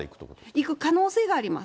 いく可能性があります。